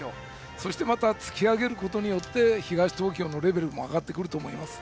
そして、突き上げることによって東東京のレベルも上がってくると思います。